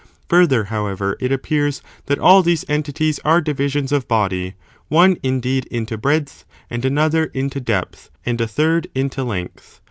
Further, however, it appears that all these entities are divisions of body, one, indeed, into breadth, and another into depth, and a third into length.